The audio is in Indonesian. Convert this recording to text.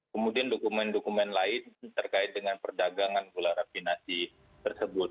kemudian dokumen dokumen lain terkait dengan perdagangan gula rafinasi tersebut